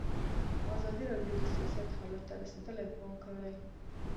ازادي راډیو د سیاست حالت ته رسېدلي پام کړی.